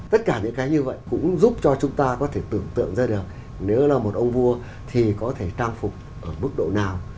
tất cả những cái như vậy cũng giúp cho chúng ta có thể tưởng tượng ra được nếu là một ông vua thì có thể trang phục ở mức độ nào